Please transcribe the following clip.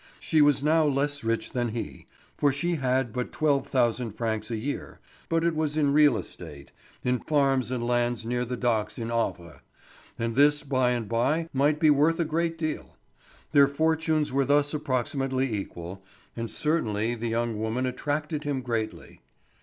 She was now less rich than he, for she had but twelve thousand francs a year; but it was in real estate, in farms and lands near the docks in Havre; and this by and bye might be worth a great deal. Their fortunes were thus approximately equal, and certainly the young widow attracted him greatly.